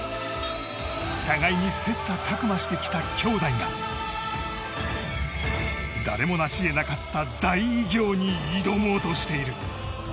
互いに切磋琢磨してきた兄妹が誰もなし得なかった大偉業に挑もうとしています。